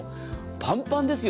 パンパンですよ。